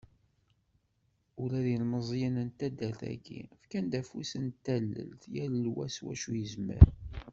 Ula d ilmeẓyen n taddart-agi, fkan-d afus n tallelt, yal wa s wacu i yezmer.